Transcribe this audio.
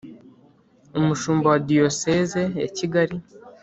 umushumba wa diyoseze ya kigali,